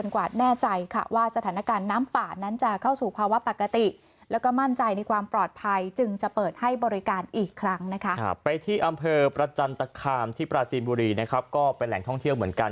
ขามที่ปราชินบุรีก็เป็นแหล่งท่องเที่ยวเหมือนกัน